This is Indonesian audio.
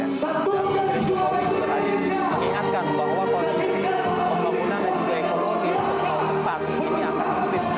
dan joko widodo tadi mengingatkan bahwa kondisi pembangunan dan juga ekonomi untuk tempat ini akan sempit